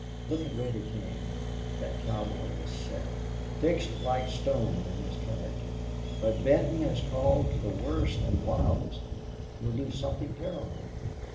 Look at Reddy King. That cowboy was set fixed like stone in his character. But Benton has called to the worst and wildest in him. He'll do something terrible.